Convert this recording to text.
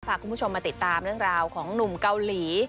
พาคุณผู้ชมมาติดตามเรื่องราวของหนุ่มเกาหลี